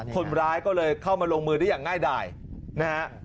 คนร้ายก็เลยเข้ามาลงมือได้อย่างง่ายดายนะฮะ